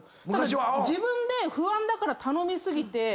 ただ自分で不安だから頼み過ぎて。